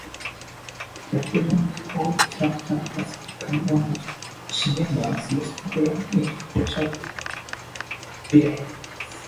The Reverend Powell character has become one of cinema's most popular, influential villains.